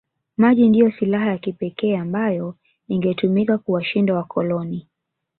Maji ndiyo silaha ya kipekee ambayo ingetumika kuwashinda wakoloni